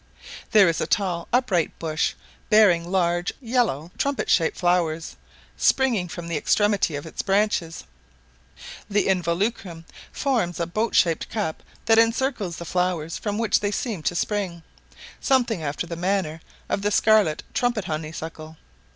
There is a tall upright bush, bearing large yellow trumpet shaped flowers, springing from the extremities of the branches; the involucrum forms a boat shaped cup that encircles the flowers from which they seem to spring, something after the manner of the scarlet trumpet honeysuckle.